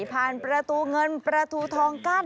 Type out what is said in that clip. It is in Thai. ผ่านประตูเงินประตูทองกั้น